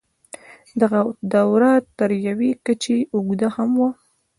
دغه دوره تر یوې کچې اوږده هم وه.